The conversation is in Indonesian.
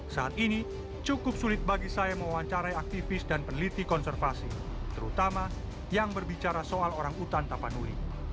saat ini cukup sulit bagi saya mewawancarai aktivis dan peneliti konservasi terutama yang berbicara soal orang utan tapanuli